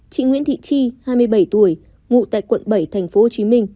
chị nguyễn thị chi hai mươi bảy tuổi ngụ tại quận bảy tp hcm